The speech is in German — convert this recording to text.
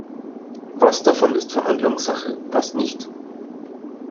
Was davon ist Verhandlungssache, was nicht?